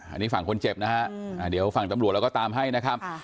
อันนี้ฝั่งคนเจ็บนะฮะเดี๋ยวฝั่งตำรวจเราก็ตามให้นะครับ